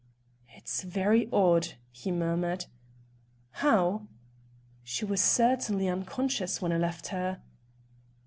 "It's very odd," he murmured. "How?" "She was certainly unconscious when I left her."